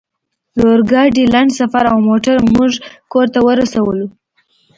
د اورګاډي لنډ سفر او موټر موږ کور ته ورسولو